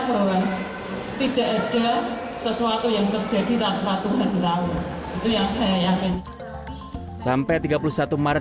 pada hari ini pasien terinfeksi covid sembilan belas di kota semarang berjumlah dua puluh lima orang